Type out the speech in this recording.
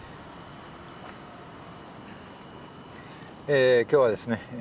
え今日はですね